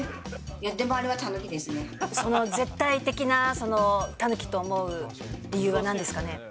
その絶対的なタヌキと思う理由はなんですかね。